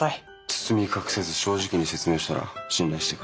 包み隠さず正直に説明したら信頼してくれた。